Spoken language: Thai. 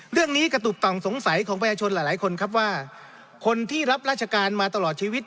เรื่องนี้กระตุบต่องสงสัยของประชาชนหลายคนครับว่าคนที่รับราชการมาตลอดชีวิต